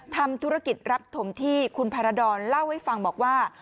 ทำธุรกิจรับถมที่คุณพารดรเล่าให้ฟังบอกว่า